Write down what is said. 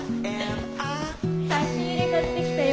差し入れ買ってきたよ。